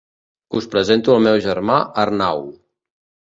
Us presento el meu germà Arnau.